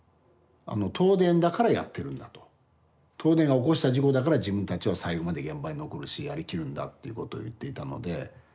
「東電だからやってるんだ」と「東電が起こした事故だから自分たちは最後まで現場に残るしやりきるんだ」ってことを言っていたので。